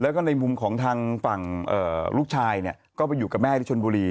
แล้วก็ในมุมของทางฝั่งลูกชายเนี่ยก็ไปอยู่กับแม่ที่ชนบุรี